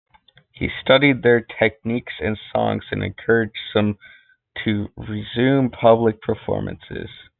He studied their techniques and songs and encouraged some to resume public performances.